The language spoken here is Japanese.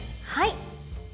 はい。